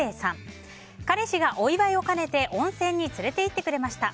彼氏がお祝いを兼ねて温泉に連れて行ってくれました。